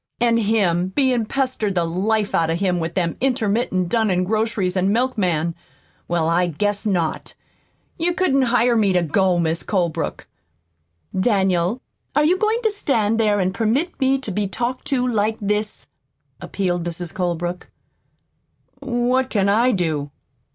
An' him bein' pestered the life out of him with them intermittent, dunnin' grocers an' milkmen? Well, I guess not! You couldn't hire me to go, Mis' Colebrook." "Daniel, are you going to stand there and permit me to be talked to like this?" appealed Mrs. Colebrook. "What can I do?"